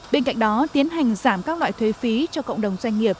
bên cạnh đó tiến hành giảm các loại thuế phí cho cộng đồng doanh nghiệp